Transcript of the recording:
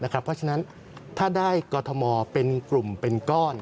เพราะฉะนั้นถ้าได้กรทมเป็นกลุ่มเป็นก้อน